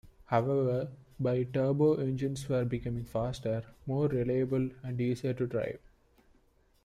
However, by turbo engines were becoming faster, more reliable and easier to drive.